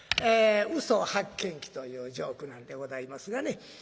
嘘発見器というジョークなんでございますがね。